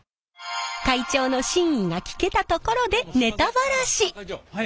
会長の真意が聞けたところでネタバラシ。